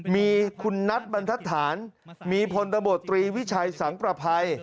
มีคุณนัทบรรทัดฐานมีพลตบตรีวิชัยสังประภัย